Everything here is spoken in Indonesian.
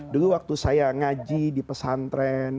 dulu waktu saya ngaji di pesantren